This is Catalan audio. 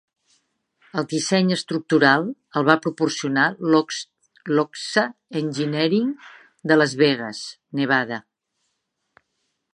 El disseny estructural el va proporcionar Lochsa Engineering de Las Vegas, Nevada.